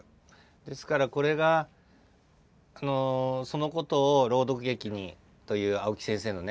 ですからこれがそのことを朗読劇にという青木先生のね